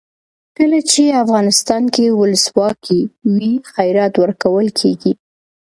کله چې افغانستان کې ولسواکي وي خیرات ورکول کیږي.